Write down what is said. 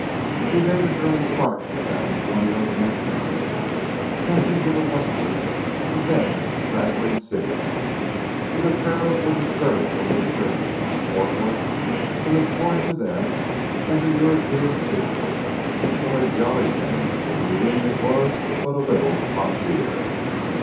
We made an early start from San Antonio the next morning, passing to the westward of the then straggling city. The vaqueros were disturbed over the journey, for Fort Worth was as foreign to them as a European seaport, but I jollied them into believing it was but a little pasear.